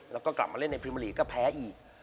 แล้วก็กลับมาเล่นในปริมาลีก็แพ้อีก